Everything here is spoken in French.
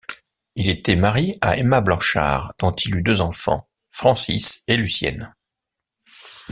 Il était marié à Emma Blanchard, dont il eut deux enfants, Francis et Lucienne.